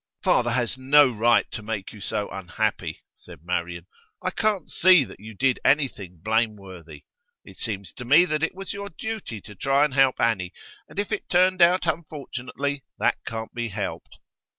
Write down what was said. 'Father has no right to make you so unhappy,' said Marian. 'I can't see that you did anything blameworthy; it seems to me that it was your duty to try and help Annie, and if it turned out unfortunately, that can't be helped.